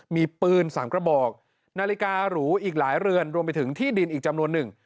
มีปืน๓กระบอกนาฬิการูอีกหลายเรือนรวมไปถึงที่ดินอีกจำนวนหนึ่ง